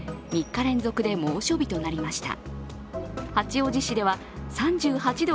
３日連続で猛暑日となりました。